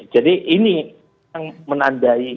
jadi ini yang menandai